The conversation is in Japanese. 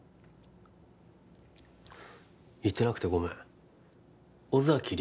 言ってなくてごめん尾崎莉